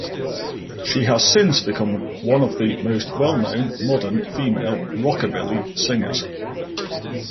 She has since become one of the most well-known modern female rockabilly singers.